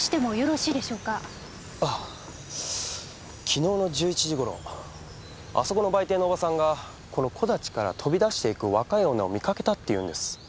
昨日の１１時頃あそこの売店のおばさんがこの木立から飛び出していく若い女を見かけたって言うんです。